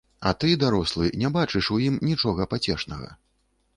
А ты, дарослы, не бачыш у ім нічога пацешнага.